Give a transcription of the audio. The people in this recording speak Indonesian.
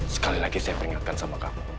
sekali lagi saya peringatkan sama kamu